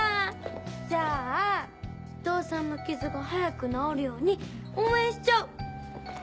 じゃあ伊藤さんの傷が早く治るように応援しちゃう。